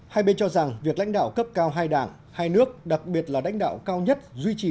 hai bên cho rằng việc lãnh đạo cấp cao hai đảng hai nước đặc biệt là đánh đạo cao nhất duy trì